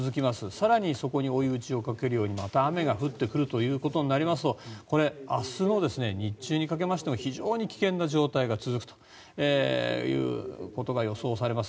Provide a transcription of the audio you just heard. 更にそこに追い打ちをかけるようにまた雨が降ってくるということになりますとこれ、明日の日中にかけても非常に危険な状態が続くということが予想されます。